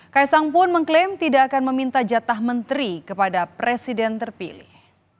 kaisang pun mengklaim tidak akan meminta jatah menteri kepada presiden terpilih